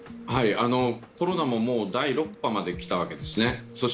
コロナも第６波まできたわけですね。